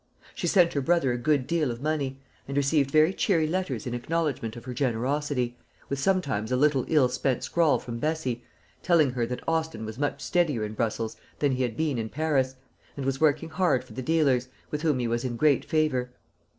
She sent her brother a good deal of money, and received very cheery letters in acknowledgment of her generosity, with sometimes a little ill spelt scrawl from Bessie, telling her that Austin was much steadier in Brussels than he had been in Paris, and was working hard for the dealers, with whom he was in great favour.